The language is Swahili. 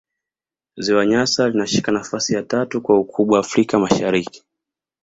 ziwa nyasa linashika nafasi ya tatu kwa ukubwa afrika mashariki